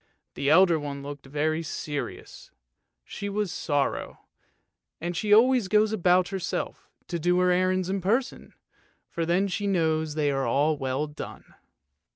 The elder one looked very serious; she was Sorrow, and she always goes about herself, to do her errands in person, for then she knows they are well done.